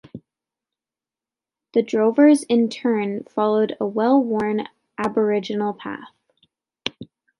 The drovers in turn followed a well-worn Aboriginal path.